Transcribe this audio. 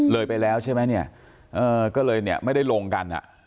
เลยไปแล้วใช่ไหมเนี่ยเออก็เลยเนี่ยไม่ได้ลงกันอ่ะ